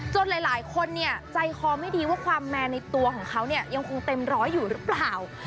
หลายคนเนี่ยใจคอไม่ดีว่าความแมนในตัวของเขาเนี่ยยังคงเต็มร้อยอยู่หรือเปล่า